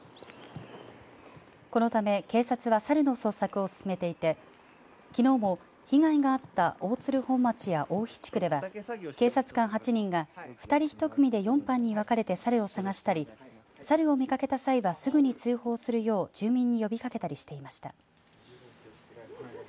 このため警察はサルの捜索を進めていてきのうも被害があった大鶴本町や大肥地区では警察官８人が２人１組で４班に分かれてサルを探したりサルを見掛けた際はすぐに通報するよう住民に呼びかけたりしていました。